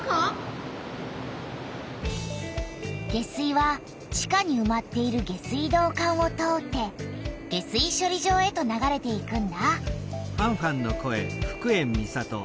下水は地下にうまっている下水道管を通って下水しょり場へと流れていくんだ。